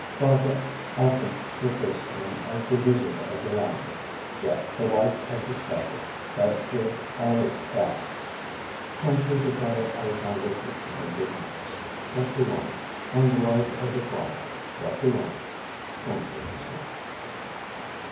Fabre often refers to him as the Wizard of the Landes. Cf. "The Life of the Spider", by J. Henri Fabre, translated by Alexander Teixeira de Mattos: chapter 1; and "The Life of the Fly": chapter 1. Translator's Note.)